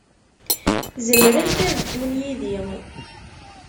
Zemrent ad ddun yid-i.